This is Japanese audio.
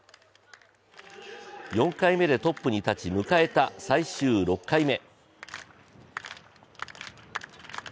４回目でトップに立ち迎えた最終６回目。